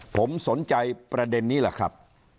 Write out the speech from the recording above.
ผมสนใจประเด็นนี้แหละครับ